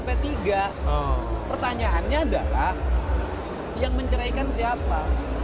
pertanyaannya adalah yang menceraikan siapa